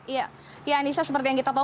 iya anissa seperti yang kita tahu